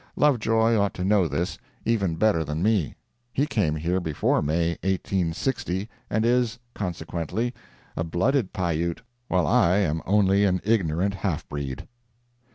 Lovejoy ought to know this, even better than me; he came here before May, 1860, and is, consequently, a blooded Pi Ute, while I am only an ignorant half breed.